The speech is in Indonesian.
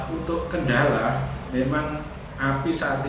untuk kendala memang api saat ini masih belum diketahui